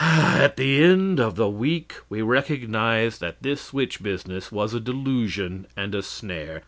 At the end of a week we recognized that this switch business was a delusion and a snare.